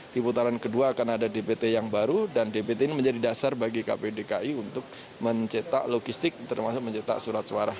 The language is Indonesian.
di putaran kedua akan ada dpt yang baru dan dpt ini menjadi dasar bagi kpu dki untuk mencetak logistik termasuk mencetak surat suara